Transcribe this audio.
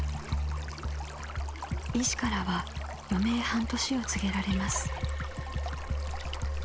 ［医師からは余命半年を告げられます］